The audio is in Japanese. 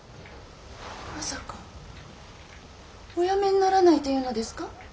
まさかおやめにならないというのですか？